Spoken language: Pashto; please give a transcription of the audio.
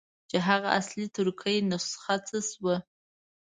چې هغه اصلي ترکي نسخه څه شوه.